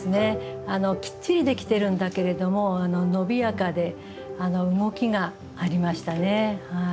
きっちり出来てるんだけれども伸びやかで動きがありましたね。